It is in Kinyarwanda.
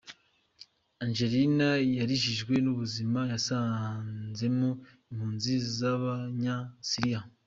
Angelina yarijijwe n’ubuzima yasanzemo impunzi z’Abanyasiriya